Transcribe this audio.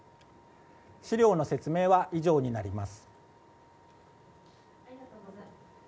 資料の説明は以上になります。